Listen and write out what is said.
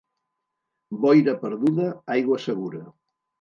Boira perduda, aigua segura.